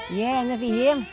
iya enak banget